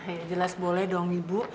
ini jelas boleh dong ibu